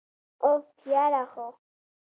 أف، یره خو!!